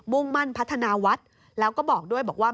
่งมั่นพัฒนาวัดแล้วก็บอกด้วยบอกว่า